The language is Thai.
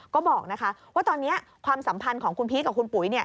ก็บอกว่าตอนนี้ความสัมพันธ์ของคุณพีชกับคุณปุ๋ย